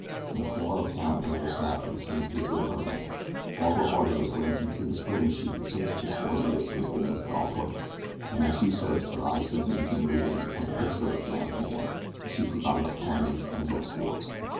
And far uptown another sat with the same paper in her hand. Barbara Harding was glancing through the sporting sheet in search of the scores of yesterday's woman's golf tournament. And as she searched her eyes suddenly became riveted upon the picture of a giant man, and she forgot about tournaments and low scores.